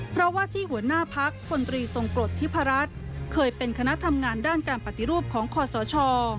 เพราะว่าที่หัวหน้าพักพลตรีทรงกรดทิพรัชเคยเป็นคณะทำงานด้านการปฏิรูปของคอสช